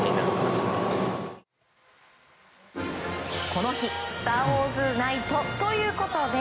この日スター・ウォーズ・ナイトということで